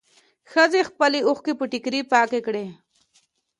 ښځې خپلې اوښکې په ټيکري پاکې کړې.